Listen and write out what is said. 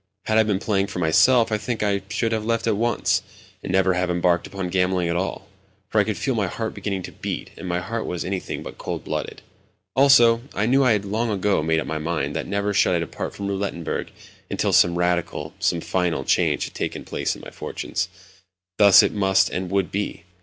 Had I been playing for myself, I think I should have left at once, and never have embarked upon gambling at all, for I could feel my heart beginning to beat, and my heart was anything but cold blooded. Also, I knew, I had long ago made up my mind, that never should I depart from Roulettenberg until some radical, some final, change had taken place in my fortunes. Thus, it must and would be.